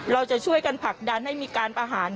เราจะช่วยกันผลักดันให้มีการประหาร